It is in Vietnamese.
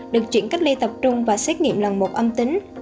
được chuyển cách ly tập trung và xét nghiệm lần một âm tính